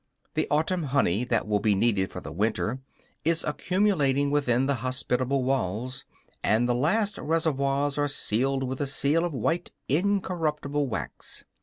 The autumn honey, that will be needed for the winter, is accumulating within the hospitable walls; and the last reservoirs are sealed with the seal of white, incorruptible wax.